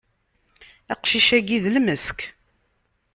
Aqcic-agi d lmesk.